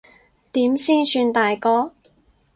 點先算大個？